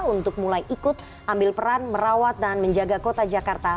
untuk mulai ikut ambil peran merawat dan menjaga kota jakarta